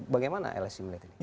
bagaimana lsi melihat ini